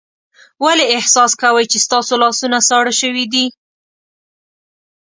ولې احساس کوئ چې ستاسو لاسونه ساړه شوي دي؟